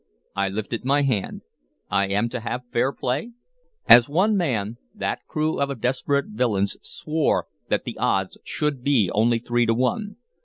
I lifted my hand. "I am to have fair play?" As one man that crew of desperate villains swore that the odds should be only three to one.